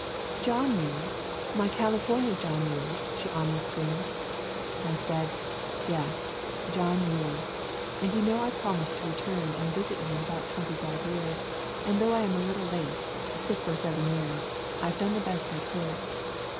'John Muir? My California John Muir?' she almost screamed. I said, 'Yes, John Muir; and you know I promised to return and visit you in about twenty five years, and though I am a little late — six or seven years—I've done the best I could.